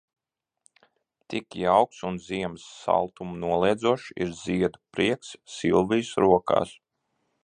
Tik jauks un ziemas saltumu noliedzošs ir ziedu prieks Silvijas rokās.